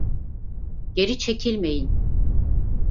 Geri çekilmeyin!